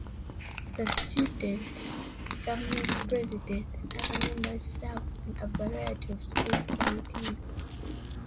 The student government president and other members serve on a variety of school committees.